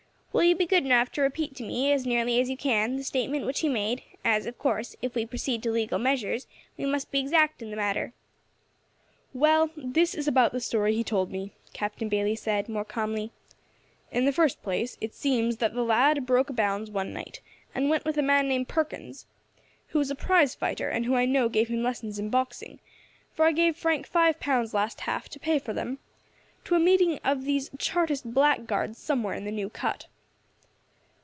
Will you be good enough to repeat to me, as nearly as you can, the statement which he made, as, of course, if we proceed to legal measures, we must be exact in the matter?" "Well, this is about the story he told me," Captain Bayley said, more calmly. "In the first place, it seems that the lad broke bounds one night, and went with a man named Perkins who is a prize fighter, and who I know gave him lessons in boxing, for I gave Frank five pounds last half to pay for them to a meeting of these Chartist blackguards somewhere in the New Cut.